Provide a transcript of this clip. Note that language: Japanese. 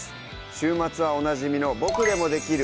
週末はおなじみの「ボクでもできる！